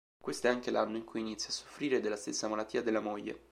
Questo è anche l'anno in cui inizia a soffrire della stessa malattia della moglie.